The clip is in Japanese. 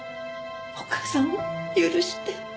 お母さんを許して。